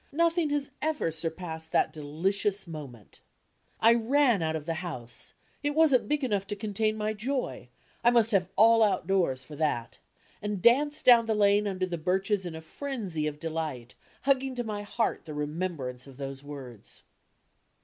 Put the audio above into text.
Nothing has ever surpassed that delicious moment. I ran out of the house it wasn't big enough to contain my joy. I must have all outdoors for dtat and danced down the lane under the birches in a frenzy of delight, hugging to my heart the remembrance of those words.